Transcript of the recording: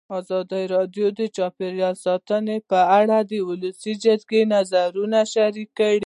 ازادي راډیو د چاپیریال ساتنه په اړه د ولسي جرګې نظرونه شریک کړي.